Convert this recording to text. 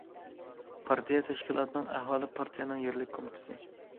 پارتىيە تەشكىلاتىنىڭ ئەھۋالى پارتىيەنىڭ يەرلىك كومىتېتى.